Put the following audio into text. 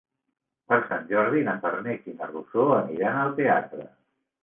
Per Sant Jordi na Farners i na Rosó aniran al teatre.